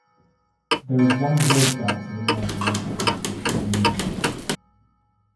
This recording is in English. There is one Boy Scouts of America local council serving New Hampshire.